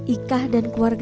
ika dan keluarga ika